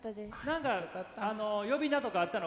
何か呼び名とかあったの？